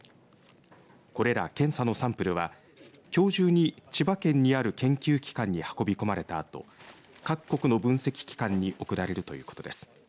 これら検査のサンプルはきょう中に千葉県にある研究機関に運び込まれたあと各国の分析機関に送られるということです。